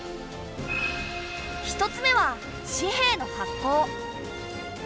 １つ目は紙幣の発行。